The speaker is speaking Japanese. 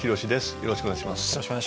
よろしくお願いします。